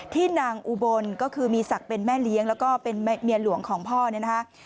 นางอุบลก็คือมีศักดิ์เป็นแม่เลี้ยงแล้วก็เป็นเมียหลวงของพ่อเนี่ยนะคะ